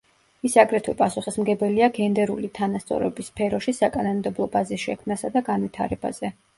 ის აგრეთვე პასუხისმგებელია გენდერული თანასწორობის სფეროში საკანონმდებლო ბაზის შექმნასა და განვითარებაზე.